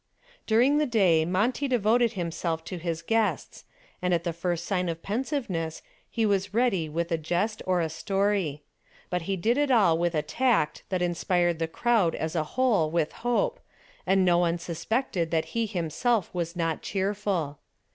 During the day Monty devoted himself to his guests, and at the first sign of pensiveness he was ready with a jest or a story. But he did it all with a tact that inspired the crowd as a whole with hope, and no one suspected that he himself was not cheerful.